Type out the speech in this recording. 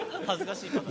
恥ずかしい。